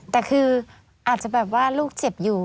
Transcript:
แต่คืออาจจะแบบว่าลูกเจ็บอยู่